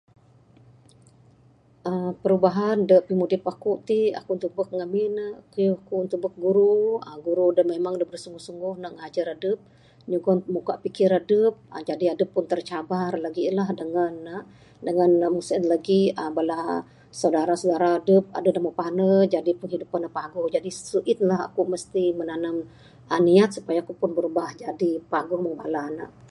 uhh perubahan dak pimudip aku t, aku tubek ngemin ne keyuh ku tubek guru uhh guru dak memang sungguh sungguh ne ngajar adep nyugon muka pemikir adep jadi adep pun tecabar legi lah dengan ne. Dengan mung sien legi bala saudara saudara dep adeh moh pandai jadi penghidupan ne paguh jadi mesu in lah aku mesti menanam niat supaya aku pun birubah jadi paguh mung bala ne.